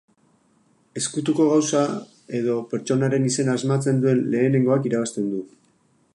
Ezkutuko gauza edo pertsonaren izena asmatzen duen lehenengoak irabazten du.